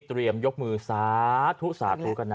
เตรียมยกมือสาธุสาธุกันนะ